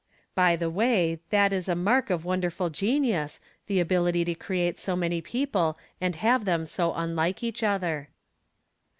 By the way, that is a mark of wonderful genius, the ability to create so many people and have them so unlike each other.